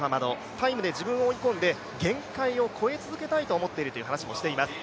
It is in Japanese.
タイムで自分を追い込んで限界を超え続けたいという話もしています。